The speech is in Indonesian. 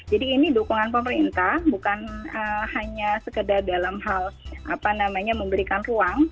jadi ini dukungan pemerintah bukan hanya sekedar dalam hal apa namanya memberikan ruang